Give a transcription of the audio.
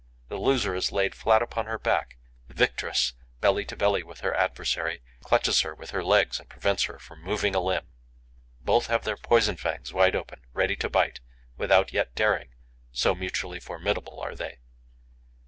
The loser is laid flat upon her back; the victress, belly to belly with her adversary, clutches her with her legs and prevents her from moving a limb. Both have their poison fangs wide open, ready to bite without yet daring, so mutually formidable are they.